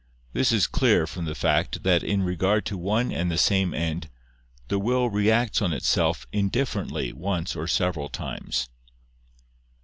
This is clear from the fact that in regard to one and the same end, the will reacts on itself indifferently once or several times.